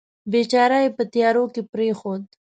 بیچاره یې په تیارو کې پرېښود.